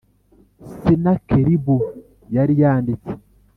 Senakeribu yari yanditse